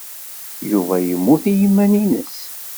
Yuba yemmut i yiman-nnes.